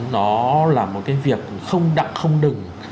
nó là một cái việc không đặng không đừng